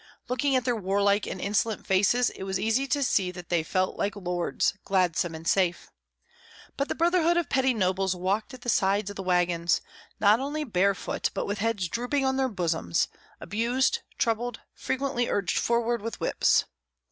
Looking at their warlike and insolent faces, it was easy to see that they felt like lords, gladsome and safe. But the brotherhood of petty nobles walked at the side of the wagons, not only barefooted, but with heads drooping on their bosoms, abused, troubled, frequently urged forward with whips.